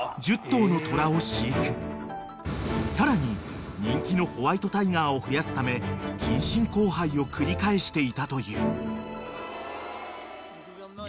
［さらに人気のホワイトタイガーを増やすため近親交配を繰り返していたという］